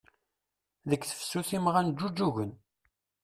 Deg tefsut imɣan ǧǧuǧugen.